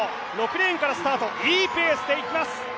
６レーンからスタートいいペースでいきます。